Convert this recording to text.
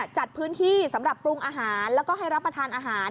จัดพื้นที่สำหรับปรุงอาหารแล้วก็ให้รับประทานอาหาร